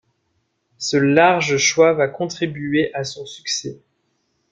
Ce large choix va contribuer à son succès.